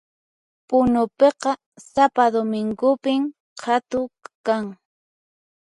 Punupiqa sapa domingopin qhatu kan